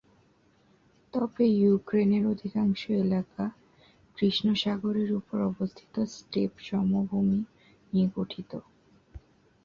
তবে ইউক্রেনের অধিকাংশ এলাকা কৃষ্ণ সাগরের উপরে অবস্থিত স্টেপ সমভূমি নিয়ে গঠিত।